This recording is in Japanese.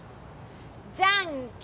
じゃんけん